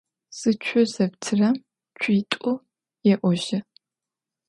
Зыцу зэптырэм цуитӏу еӏожьы.